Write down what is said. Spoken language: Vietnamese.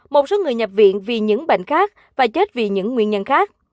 một số người nhập viện vì những bệnh khác và chết vì những nguyên nhân khác